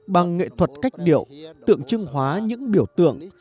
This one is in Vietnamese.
bằng nghệ thuật cách điệu tượng trưng hóa những biểu tượng